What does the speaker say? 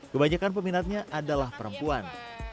kebanyakan peminatnya adalah perempuan